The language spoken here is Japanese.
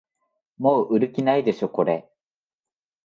もう売る気ないでしょこれ